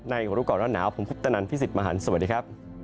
ในรูปกรณ์ร้อนหนาวผมพุทธนันท์พี่สิทธิ์มหารสวัสดีครับ